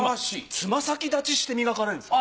つま先立ちして磨かれるんですか？